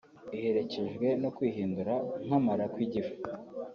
iherekejwe no kwihindura nk’amara kw’igifu